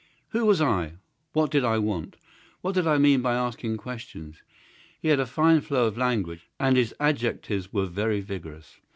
Who was I? What did I want? What did I mean by asking questions? He had a fine flow of language, and his adjectives were very vigorous.